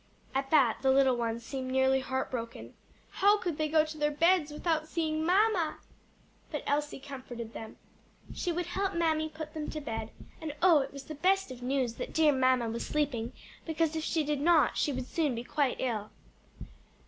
At that the little ones seemed nearly heartbroken. "How could they go to their beds without seeing mamma?" But Elsie comforted them. She would help mammy to put them to bed; and oh it was the best of news that dear mamma was sleeping! because if she did not she would soon be quite ill.